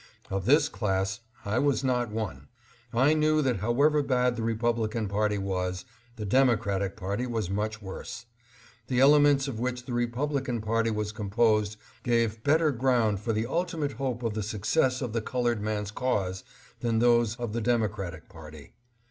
Of this class I was not one. I knew that however bad the Republican party was, the Democratic party was much worse. The elements of which the Republican party was composed gave better ground for the ultimate hope of the success of the colored man's cause than those of the Democratic party.